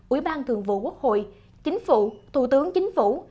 ủy ban thường vụ quốc hội chính phủ thủ tướng chính phủ